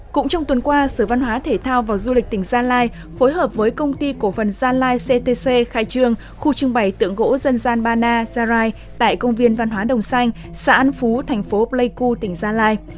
cũng trong tuần qua sở văn hóa thể thao và du lịch tỉnh gia lai phối hợp với công ty cổ phần gia lai ctc khai trương khu trưng bày tượng gỗ dân gian ba na gia rai tại công viên văn hóa đồng xanh xã an phú thành phố pleiku tỉnh gia lai